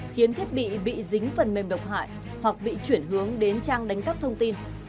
khiến thiết bị bị dính phần mềm độc hại hoặc bị chuyển hướng đến trang đánh cắp thông tin